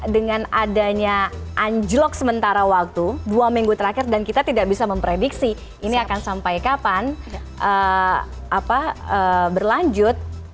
dengan adanya anjlok sementara waktu dua minggu terakhir dan kita tidak bisa memprediksi ini akan sampai kapan berlanjut